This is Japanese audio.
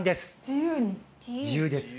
自由です。